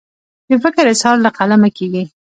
د فکر اظهار له قلمه کیږي.